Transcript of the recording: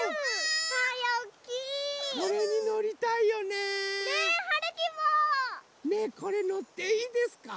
ねえこれのっていいですか？